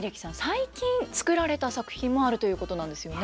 最近作られた作品もあるということなんですよね。